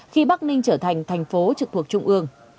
khi bắc ninh trở thành thành phố trực thuộc trung ương